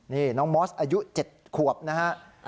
นี่น้องมอสอายุ๗ขวบนะฮะ